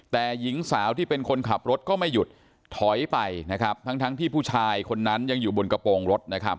แต่หญิงสาวที่เป็นคนขับรถก็ไม่หยุดถอยไปนะครับทั้งทั้งที่ผู้ชายคนนั้นยังอยู่บนกระโปรงรถนะครับ